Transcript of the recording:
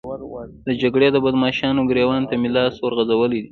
د جګړې د بدماشانو ګرېوان ته مې لاس ورغځولی دی.